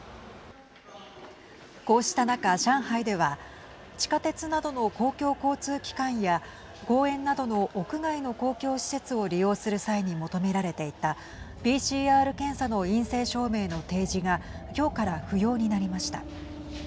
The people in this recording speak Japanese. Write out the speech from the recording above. こうした中、上海では地下鉄などの公共交通機関や公園などの屋外の公共施設を利用する際に求められていたＰＣＲ検査の陰性証明の提示が今日から不要になりました。